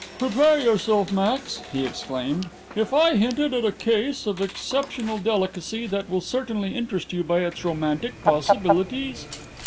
"Prepare yourself, Max," he exclaimed. "If I hinted at a case of exceptional delicacy that will certainly interest you by its romantic possibilities